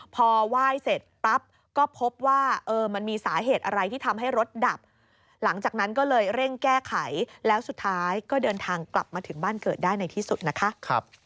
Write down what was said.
พอไหว้เสร็จปั๊บก็พบว่ามันมีสาเหตุอะไรที่ทำให้รถดับหลังจากนั้นก็เลยเร่งแก้ไขแล้วสุดท้ายก็เดินทางกลับมาถึงบ้านเกิดได้ในที่สุดนะคะ